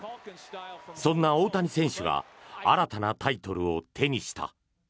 そんな大谷選手が新たなタイトルを手にした。